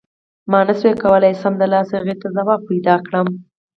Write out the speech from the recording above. ما نه شو کولای سمدلاسه هغې ته ځواب پیدا کړم.